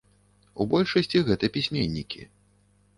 У большасці гэта пісьменнікі.